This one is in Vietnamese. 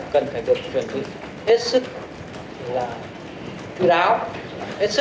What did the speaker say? cần phải được chuẩn bị hết sức